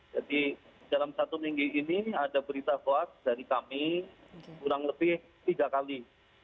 jadi dalam satu minggu ini ada berita hoax dari kami kurang lebih tiga kali